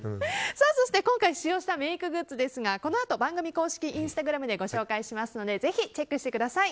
そして今回使用したメイクグッズですがこのあと番組公式インスタグラムでご紹介しますのでぜひ、チェックしてください。